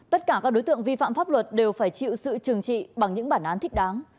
tất cả các đối tượng vi phạm pháp luật đều phải chịu sự trừng trị bằng những bản án thích đáng